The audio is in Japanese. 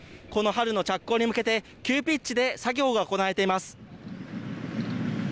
この春の着工に向けて、急ピッチで作業が行われています。